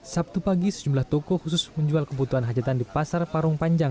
sabtu pagi sejumlah toko khusus menjual kebutuhan hajatan di pasar parung panjang